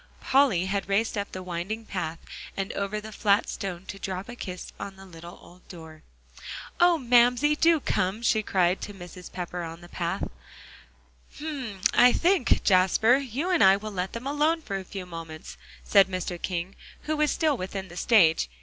Polly had raced up the winding path, and over the flat stone to drop a kiss on the little old door. "Oh! oh! Mamsie, do come!" she cried to Mrs. Pepper on the path. "Hum! I think, Jasper, you and I will let them alone for a few moments," said Mr. King, who was still within the stage.